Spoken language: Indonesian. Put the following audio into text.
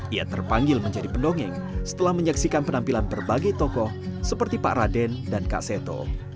ia terpanggil menjadi pendongeng setelah menyaksikan penampilan berbagai tokoh seperti pak raden dan kak seto